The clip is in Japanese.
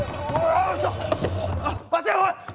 あっ待ておい！